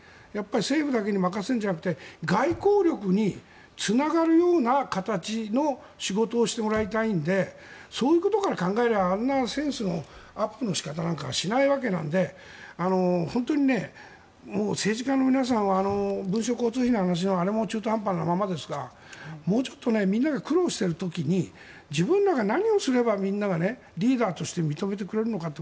政府だけに任せるのではなくて外交力につながるような形の仕事をしてもらいたいのでそういうことから考えればあんなセンスのアップの仕方はしないわけなので本当に政治家の皆さんは文書交通費の話も中途半端なままですがもうちょっとみんなが苦労している時に自分らが何をすればみんながリーダーとして認めてくれるのか